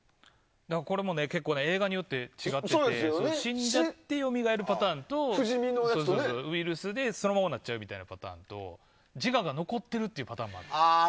これも結構映画によって違ってきて死んでよみがえるパターンとウイルスでそのままになっちゃうみたいなパターンと自我が残っているパターンもあります。